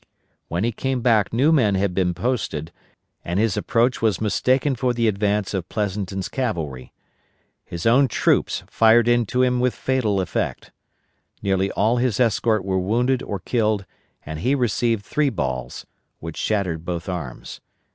When he came back new men had been posted, and his approach was mistaken for the advance of Pleasonton's cavalry. His own troops fired into him with fatal effect. Nearly all his escort were killed or wounded and he received three balls, which shattered both arms.